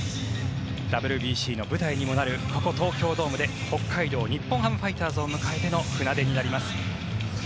ＷＢＣの舞台にもなるここ、東京ドームで北海道日本ハムファイターズを迎えての船出になります。